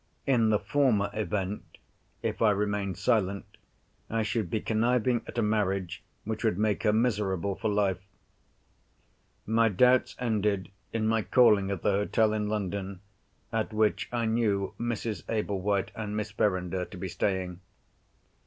In the former event, if I remained silent, I should be conniving at a marriage which would make her miserable for life. My doubts ended in my calling at the hotel in London, at which I knew Mrs. Ablewhite and Miss Verinder to be staying.